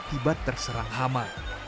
akibat terserang hama